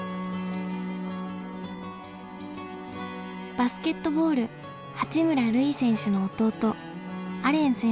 バスケットボール八村塁選手の弟